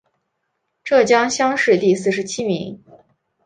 浙江乡试第四十七名。